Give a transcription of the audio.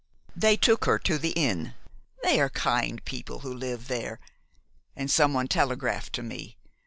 "They took her to the inn, they are kind people who live there, and someone telegraphed to me.